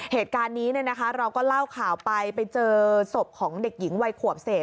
เหตุการณ์นี้เราก็เล่าข่าวไปไปเจอศพของเด็กหญิงวัยขวบเศษ